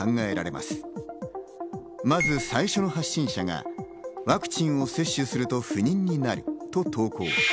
まず最初の発信者がワクチンを接種すると不妊になると投稿。